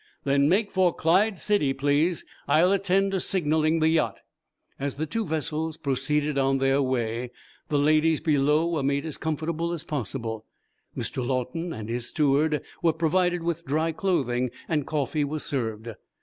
"Then make for Clyde City, please. I'll attend to signaling the yacht." As the two vessels proceeded on their way the ladies below were made as comfortable as possible. Mr. Lawton and his steward were provided with dry clothing, and coffee was served.